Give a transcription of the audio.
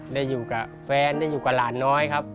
ได้อยู่กับแฟนได้อยู่กับหลานน้อยครับ